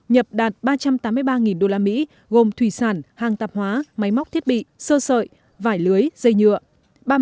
nhập đạt ba trăm tám mươi ba usd gồm thủy sản hàng tạp hóa máy móc thiết bị sơ sợi vải lưới dây nhựa